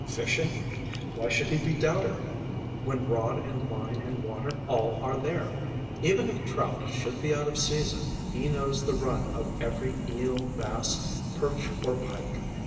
Fishing ? Why should he be doubted, when rod and line and water all are there ? Even if trout should be out of season, he knows the run of every eel, bass, perch, or pike.